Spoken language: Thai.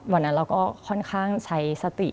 วันนั้นเราก็ค่อนข้างใช้สติ